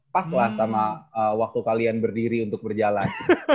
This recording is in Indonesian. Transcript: pas lah sama waktu kalian berdiri untuk berjalan